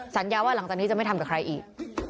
สัญญาว่าหลังจากนี้จะไม่ทำกับใครอีก